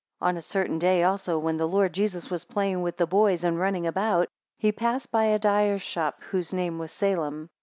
8 On a certain day also, when the Lord Jesus was playing with the boys, and running about, he passed by a dyer's shop, whose name was Salem.